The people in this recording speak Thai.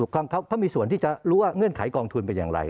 เขามีส่วนที่จะรู้ว่าเงื่อนไขกองทุนเป็นอย่างไร